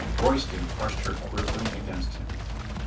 Royston crushed her quivering against him.